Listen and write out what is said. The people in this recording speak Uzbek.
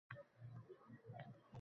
Yaxshi bo'lmagan yana bir fojia